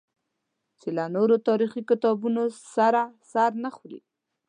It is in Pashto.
چې له نورو تاریخي کتابونو سره سر نه خوري.